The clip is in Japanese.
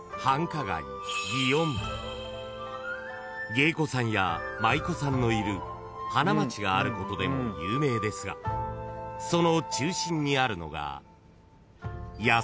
［芸妓さんや舞妓さんのいる花街があることでも有名ですがその中心にあるのが］